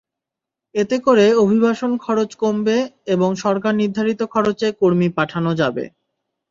এতে করে অভিবাসন খরচ কমবে এবং সরকার নির্ধারিত খরচে কর্মী পাঠানো যাবে।